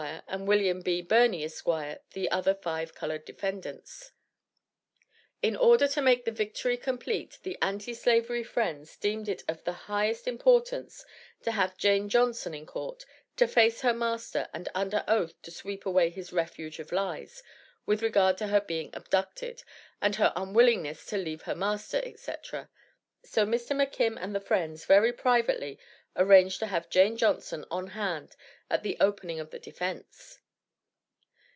and William B. Birney, Esq., the other five colored defendants. In order to make the victory complete, the anti slavery friends deemed it of the highest importance to have Jane Johnson in court, to face her master, and under oath to sweep away his "refuge of lies," with regard to her being "abducted," and her unwillingness to "leave her master," etc. So Mr. McKim and the friends very privately arranged to have Jane Johnson on hand at the opening of the defense.